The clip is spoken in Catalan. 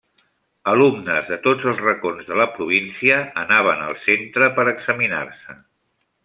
Alumnes de tots els racons de la província anaven al centre per examinar-se.